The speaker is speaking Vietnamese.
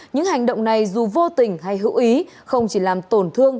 những hành động này dù vô tình hay hữu ý không chỉ làm tổn thương